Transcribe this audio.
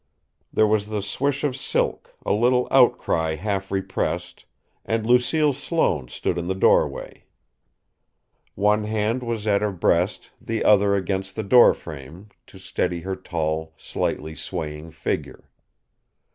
There was the swish of silk, a little outcry half repressed, and Lucille Sloane stood in the doorway. One hand was at her breast, the other against the door frame, to steady her tall, slightly swaying figure.